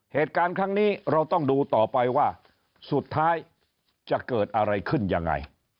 เหตุการณ์ครั้งนี้เราต้องดูต่อไปว่าสุดท้ายจะเกิดอะไรขึ้นยังไง